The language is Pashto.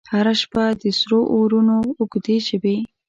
هره شپه د سرو اورونو، اوږدي ژبې،